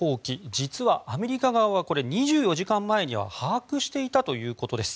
実はアメリカ側は２４時間前には把握していたということです。